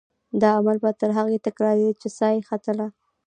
دا عمل به تر هغې تکرارېده چې سا یې ختله.